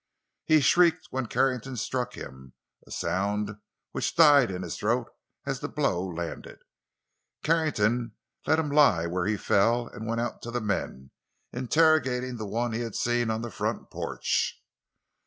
He shrieked when Carrington struck him; a sound which died in his throat as the blow landed. Carrington left him lie where he fell, and went out to the men, interrogating the one he had seen on the front porch.